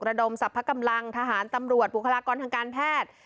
ระดมสรรพกำลังทหารตำรวจบุคลากรทางการแพทย์